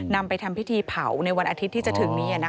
นำไปทำพิธีเผาในวันอาทิตย์ที่จะถึงนี้